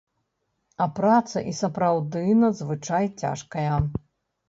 А праца і сапраўды надзвычай цяжкая.